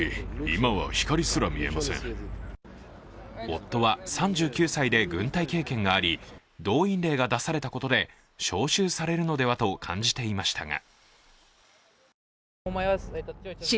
夫は３９歳で軍隊経験があり、動員令が出されたことで招集されるのではと感じていましたが。